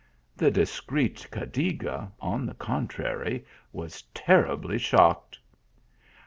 The discreet Cadiga, on the contrary, was terribly shocked.